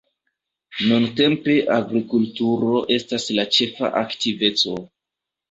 Nuntempe agrikulturo estas la ĉefa aktiveco.